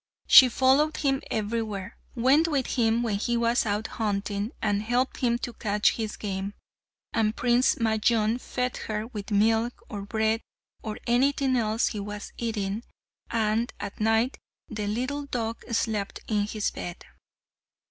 She followed him everywhere, went with him when he was out hunting, and helped him to catch his game, and Prince Majnun fed her with milk, or bread, or anything else he was eating, and at night the little dog slept in his bed.